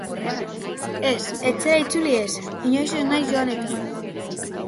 Ez, etxera itzuli ez, inoiz ez naiz joan eta.